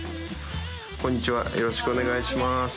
こんにちはよろしくお願いします。